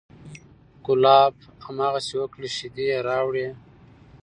کلاب هماغسې وکړل، شیدې یې راوړې،